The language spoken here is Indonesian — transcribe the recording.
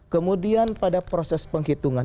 kemudian pada proses penghitungan